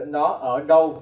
nó ở đâu